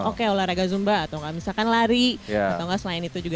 oke olahraga zumba atau nggak misalkan lari atau nggak selain itu juga